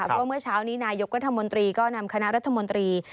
เพราะเมื่อเช้านี้นายกรัฐมนตรีก็นำคณะรัฐมนตรี